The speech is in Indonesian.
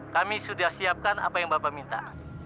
kami sudah siapkan apa yang bapak minta